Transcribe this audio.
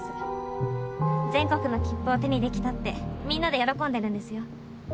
全国の切符を手にできたってみんなで喜んでるんですよ。